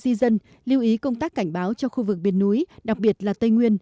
đặc biệt là tây nguyên lưu ý công tác cảnh báo cho khu vực biển núi đặc biệt là tây nguyên